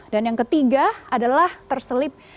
dan yang ketiga adalah terselip